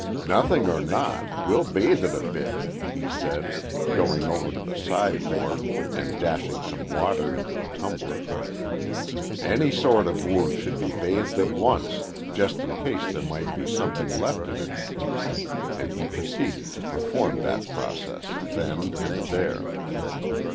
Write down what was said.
"Nothing or not, we'll bathe it a bit," he said, going over to the sideboard, and dashing some water into a tumbler. "Any sort of wound should be bathed at once, just in case there might be something left in it," and he proceeded to perform that process then and there.